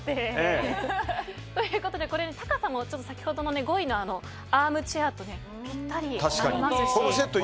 ということでこれ高さも先ほどの５位のアームチェアとピッタリになります。